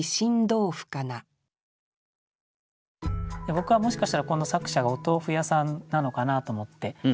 僕はもしかしたらこの作者がお豆腐屋さんなのかなと思って。